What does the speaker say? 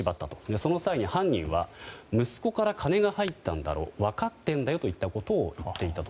その際に、犯人は息子から金が入ったんだろ分かっているんだよということを言っていたと。